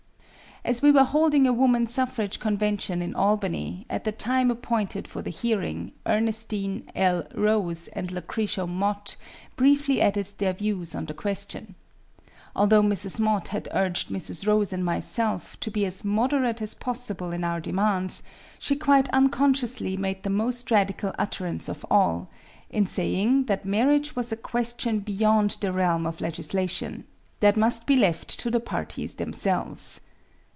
As we were holding a woman suffrage convention in Albany, at the time appointed for the hearing, Ernestine L. Rose and Lucretia Mott briefly added their views on the question. Although Mrs. Mott had urged Mrs. Rose and myself to be as moderate as possible in our demands, she quite unconsciously made the most radical utterance of all, in saying that marriage was a question beyond the realm of legislation, that must be left to the parties themselves.